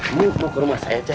ini mau ke rumah saya saja